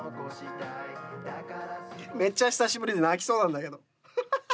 めっちゃ久しぶりで泣きそうなんだけど。